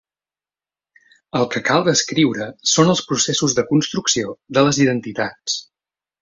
El que cal descriure són els processos de construcció de les identitats.